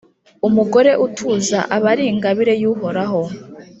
Umugore utuza aba ari ingabire y’Uhoraho,